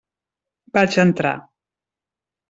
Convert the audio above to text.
Vaig entrar.